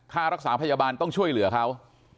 ค่ารักษาพยาบาลต้องช่วยเหลือเขา